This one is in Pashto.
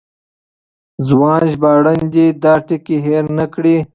ځوان ژباړن دې دا ټکی هېر نه کړي.